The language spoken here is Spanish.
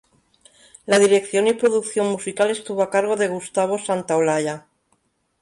La dirección y producción musical estuvo a cargo de Gustavo Santaolalla.